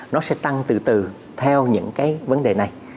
nó sẽ tăng từ từ theo những cái vấn đề này